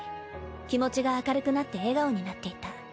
気持ちが明るくなって笑顔になっていた。